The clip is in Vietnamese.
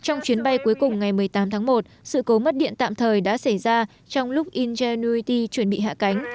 trong chuyến bay cuối cùng ngày một mươi tám tháng một sự cố mất điện tạm thời đã xảy ra trong lúc h nu t chuẩn bị hạ cánh